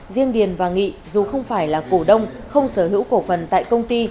riêng điền và nghị dù không phải là cổ đông không sở hữu cổ phần tại công ty